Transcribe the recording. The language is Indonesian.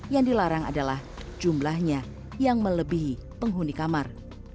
yang dilarang adalah jumlahnya yang melebihi penghuni kamar